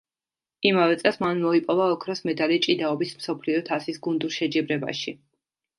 იმავე წელს მან მოიპოვა ოქროს მედალი ჭიდაობის მსოფლიო თასის გუნდურ შეჯიბრებაში.